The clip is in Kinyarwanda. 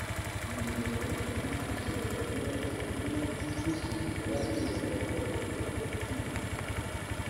ibi ngo bikaba bituma abasore bareba izi filime bisuzugura bibaza ko bafite igitsina gitoya